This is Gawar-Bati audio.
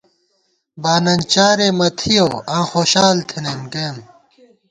باننچارےمہ تھِیَؤ آں خوشال تھنَئیم گَئیم